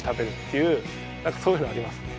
いうそういうのありますね。